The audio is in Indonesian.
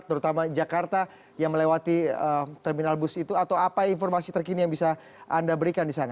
terutama jakarta yang melewati terminal bus itu atau apa informasi terkini yang bisa anda berikan di sana